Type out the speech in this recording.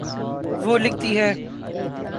وہ لکھتی ہیں